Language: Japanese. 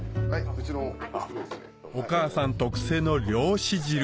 お母さん特製の漁師汁